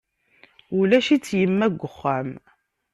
Ulac-itt yemma deg wexxam.